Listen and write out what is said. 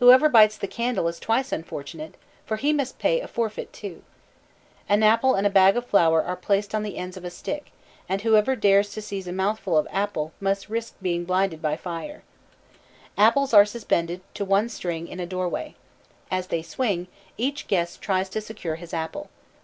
Whoever bites the candle is twice unfortunate, for he must pay a forfeit too. An apple and a bag of flour are placed on the ends of a stick, and whoever dares to seize a mouthful of apple must risk being blinded by flour. Apples are suspended one to a string in a doorway. As they swing, each guest tries to secure his apple.